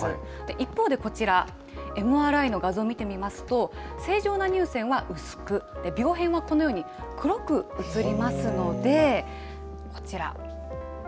一方でこちら、ＭＲＩの画像を見てみますと、正常な乳腺は薄く、病変はこのように黒く写りますので、こちら。